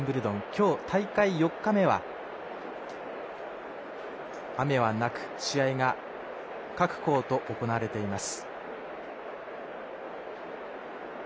今日、大会４日目は雨はなく試合が各コート行われています。